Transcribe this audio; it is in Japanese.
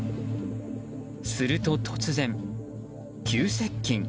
すると突然、急接近。